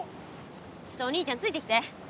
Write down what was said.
ちょっとお兄ちゃんついてきて。